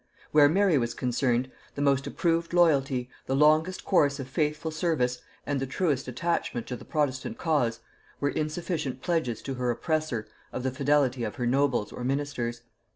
Where Mary was concerned, the most approved loyalty, the longest course of faithful service, and the truest attachment to the protestant cause, were insufficient pledges to her oppressor of the fidelity of her nobles or ministers.